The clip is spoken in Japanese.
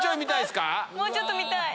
もうちょっと見たい。